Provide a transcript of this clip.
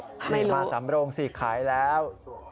อันนี้มาสำรงสิทธิ์ขาดแล้ว